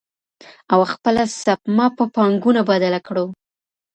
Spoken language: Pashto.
او خپله سپما په پانګونه بدله کړو.